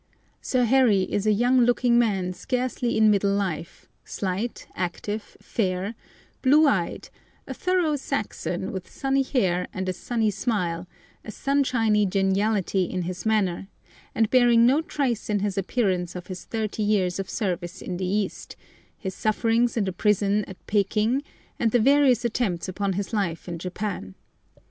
Sir Harry is a young looking man scarcely in middle life, slight, active, fair, blue eyed, a thorough Saxon, with sunny hair and a sunny smile, a sunshiny geniality in his manner, and bearing no trace in his appearance of his thirty years of service in the East, his sufferings in the prison at Peking, and the various attempts upon his life in Japan.